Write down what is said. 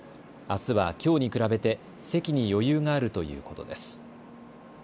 あすはきょうに比べて席に余裕があるということです。